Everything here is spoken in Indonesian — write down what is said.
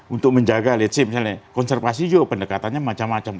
untuk menjaga let's say misalnya konservasi juga pendekatannya macam macam